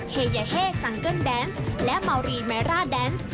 เฮยาเฮ่จังเกิ้ลแดนซ์และเมารีแมร่าแดนซ์